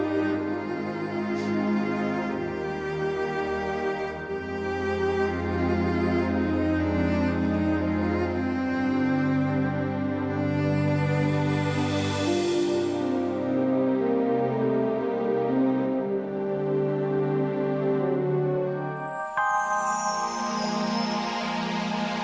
aku benci kamu